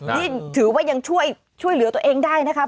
นี่ถือว่ายังช่วยเหลือตัวเองได้นะครับ